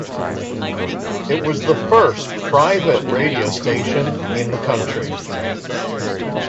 It was the first private radio station in the country.